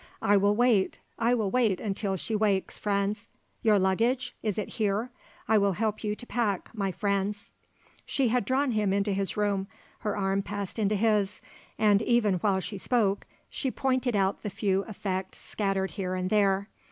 "I will wait. I will wait until she wakes, Franz. Your luggage? It is here? I will help you to pack, my Franz." She had drawn him into his room, her arm passed into his, and, even while she spoke, she pointed out the few effects scattered here and there.